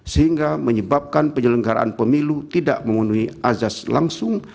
sehingga menyebabkan penyelenggaraan pemilu tidak memenuhi azas langsung